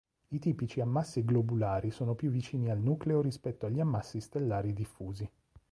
I tipici ammassi globulari sono più vicini al nucleo rispetto agli ammassi stellari diffusi.